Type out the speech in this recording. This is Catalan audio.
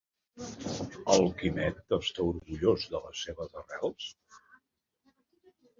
El Quimet està orgullós de les seves arrels?